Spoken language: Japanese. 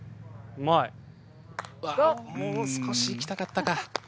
うわっもう少し行きたかったか。